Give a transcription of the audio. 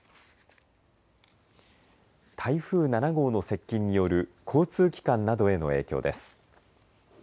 台風７号の接近による交通機関などへの影響です。